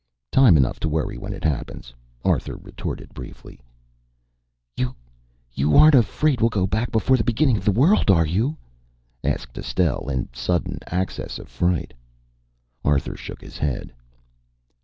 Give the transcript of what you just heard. "Time enough to worry when it happens," Arthur retorted briefly. "You you aren't afraid we'll go back before the beginning of the world, are you?" asked Estelle in sudden access of fright. Arthur shook his head.